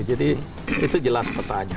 jadi itu jelas petanya